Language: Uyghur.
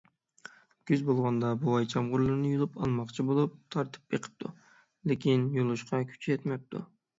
كۈز بولغاندا، بوۋاي چامغۇرلىرىنى يۇلۇپ ئالماقچى بولۇپ تارتىپ بېقىپتۇ، لېكىن يۇلۇشقا كۈچى يەتمەپتۇ.